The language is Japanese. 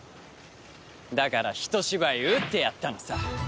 だからひと芝居打ってやったのさ。